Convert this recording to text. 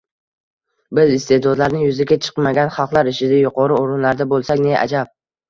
Biz iste’dodlari yuzaga chiqmagan xalqlar ichida yuqori o‘rinlarda bo‘lsak, ne ajab...